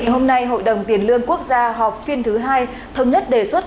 hôm nay hội đồng tiền lương quốc gia họp phiên thứ hai thống nhất đề xuất